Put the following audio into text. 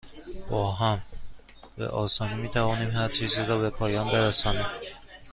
با هم، به آسانی می توانیم هرچیزی را به پایان برسانیم.